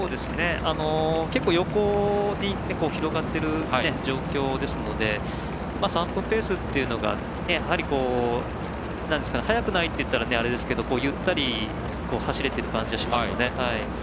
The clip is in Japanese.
結構、横に広がっている状況ですので３分ペースというのが速くないといったらあれですけどゆったり走れてる感じはしますよね。